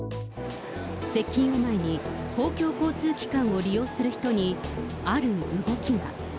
接近を前に、公共交通機関を利用する人にある動きが。